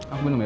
aku minum ya